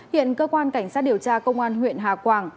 hiện cơ quan cảnh sát điều tra công an huyện hà quảng